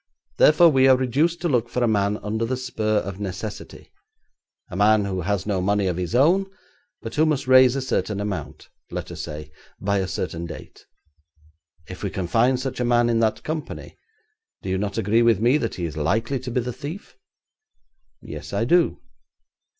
Therefore we are reduced to look for a man under the spur of necessity; a man who has no money of his own but who must raise a certain amount, let us say, by a certain date. If we can find such a man in that company, do you not agree with me that he is likely to be the thief?' 'Yes, I do.'